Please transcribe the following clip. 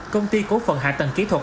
công ty cổ phần hạ tầng kỹ thuật